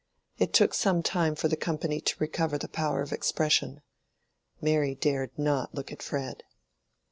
It took some time for the company to recover the power of expression. Mary dared not look at Fred.